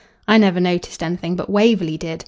I never noticed anything, but Waverley did.